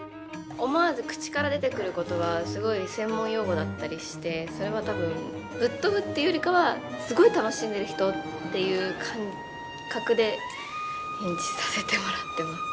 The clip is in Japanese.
思わず口から出てくる言葉はすごい専門用語だったりしてそれは多分ぶっ飛ぶっていうよりかはすごい楽しんでる人っていう感覚で演じさせてもらってます。